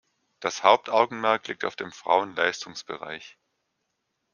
Das Hauptaugenmerk liegt auf dem Frauen-Leistungsbereich.